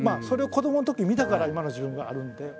それを子どものときに見たから今の自分があるんで。